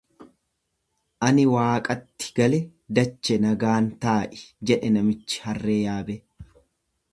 Ani waaqatti gale dache nagaan taa'i jedhe namichi harree yaabee.